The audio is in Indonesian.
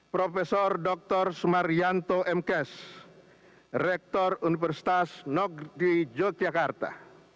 prof dr sumaryanto m kes rektor universitas nogdi yogyakarta